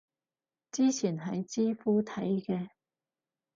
之前喺知乎睇嘅